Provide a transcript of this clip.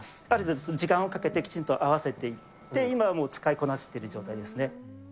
なので時間をかけて合わせていって、今はもう使いこなしている状態ですね。